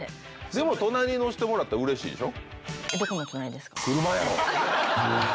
でも隣に乗せてもらったらうれしいでしょ？